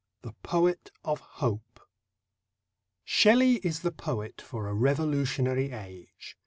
(3) THE POET OF HOPE Shelley is the poet for a revolutionary age.